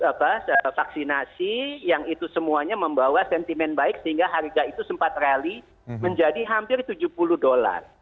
apa vaksinasi yang itu semuanya membawa sentimen baik sehingga harga itu sempat rally menjadi hampir tujuh puluh dolar